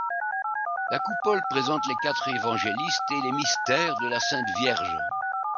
La coupole présente les quatre évangélistes et les mystères de la Sainte-Vierge.